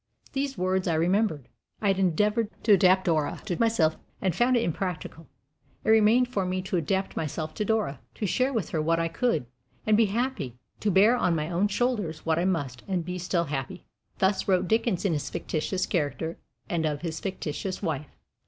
These words I remembered. I had endeavored to adapt Dora to myself, and found it impracticable. It remained for me to adapt myself to Dora; to share with her what I could, and be happy; to bear on my own shoulders what I must, and be still happy. Thus wrote Dickens in his fictitious character, and of his fictitious wife.